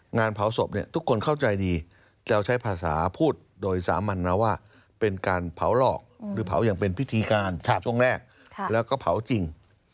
งานเผาศพเนี่ยทุกคนเข้าใจดีจะเอาใช้ภาษาพูดโดยสามัญนะว่าเป็นการเผาหลอกหรือเผาอย่างเป็นพิธีการช่วงแรกแล้วก็เผาจริง